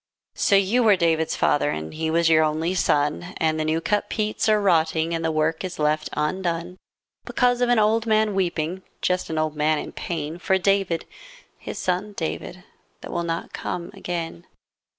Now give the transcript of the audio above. lO you were David's father, And he was your only son, And the new cut peats are rotting And the work is left undone. Because of an old man weeping, Just an old man in pain. For David, his son David, That will not come again.